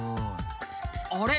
あれ？